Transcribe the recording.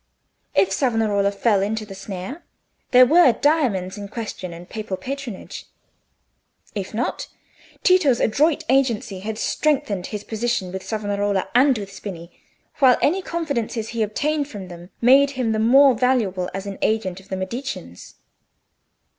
If Savonarola fell into the snare, there were diamonds in question and papal patronage; if not, Tito's adroit agency had strengthened his position with Savonarola and with Spini, while any confidences he obtained from them made him the more valuable as an agent of the Mediceans.